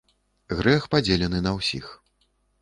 Грэх падзелены на ўсіх.